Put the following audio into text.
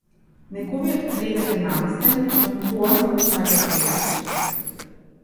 Неговиот кревет е наместен, но тоа не го сфаќаш веднаш.